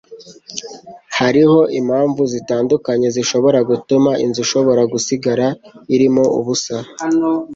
Hariho impamvu zitandukanye zishobora gutuma inzu ishobora gusigara irimo ubusa.